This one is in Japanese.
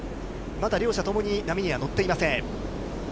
まだ両者ともに、波には乗っていません。